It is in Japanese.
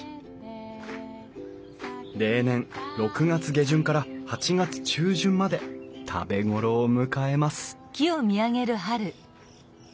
例年６月下旬から８月中旬まで食べ頃を迎えます